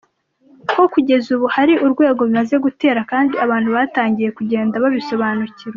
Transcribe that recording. com ko kugeza ubu hari urwego bimaze gutera kandi abantu batangiye kugenda babisobanukirwa .